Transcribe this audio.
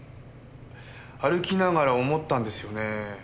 歩きながら思ったんですよね。